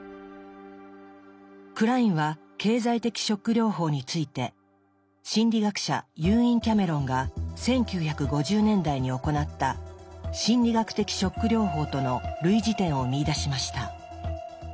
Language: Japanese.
クラインは「経済的ショック療法」について心理学者ユーイン・キャメロンが１９５０年代に行った「心理学的ショック療法」との類似点を見いだしました。